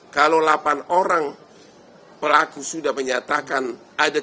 kalau delapan orang pelaku sudah menyatakan ada